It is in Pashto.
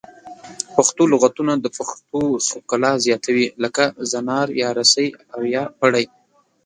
پښتو لغتونه د پښتو ښکلا زیاتوي لکه زنار یا رسۍ او یا پړی